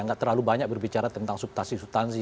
nggak terlalu banyak berbicara tentang subtansi subtansi